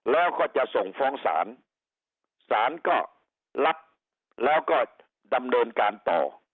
แล้วก็จะส่งฟ้องศาลศาลก็รับแล้วก็ดำเนินการต่อ